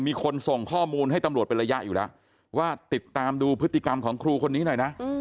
มีคนส่งข้อมูลให้ตำรวจเป็นระยะอยู่แล้วว่าติดตามดูพฤติกรรมของครูคนนี้หน่อยนะ